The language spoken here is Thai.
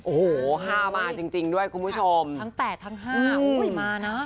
โอ้โหห้ามาจริงด้วยคุณผู้ชมทั้ง๘ทั้ง๕อุ้ยมานะ